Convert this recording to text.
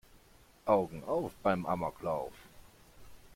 Augen auf beim Amoklauf!